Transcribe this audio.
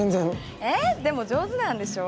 えっでも上手なんでしょ？